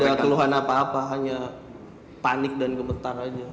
ada keluhan apa apa hanya panik dan gemetar aja